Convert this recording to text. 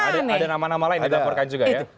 ada nama nama lain dilaporkan juga ya